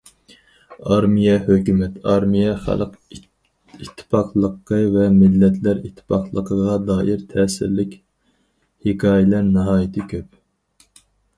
ئارمىيە- ھۆكۈمەت، ئارمىيە- خەلق ئىتتىپاقلىقى ۋە مىللەتلەر ئىتتىپاقلىقىغا دائىر تەسىرلىك ھېكايىلەر ناھايىتى كۆپ.